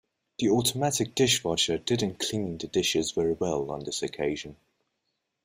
The automatic dishwasher didn't clean the dishes very well on this occasion.